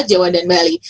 jawa dan bali